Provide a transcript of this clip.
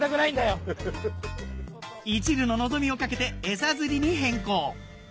いちるの望みを懸けてエサ釣りに変更